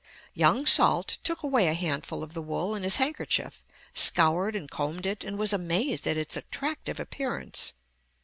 Young Salt took away a handful of the wool in his handkerchief, scoured and combed it, and was amazed at its attractive appearance.